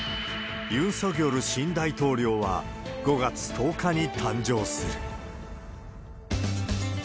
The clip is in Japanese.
ユン・ソギョル新大統領は、５月１０日に誕生する。